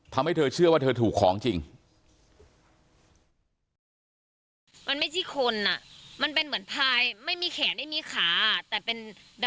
เป็นองค์คนสีขาวมาเลย